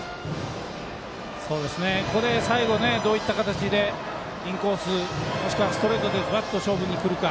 最後、どういった形でインコースもしくはストレートでズバッと勝負にくるか。